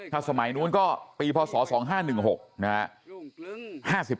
ถ้าสมัยนู้นก็ปีพศ๒๕๑๖นะฮะ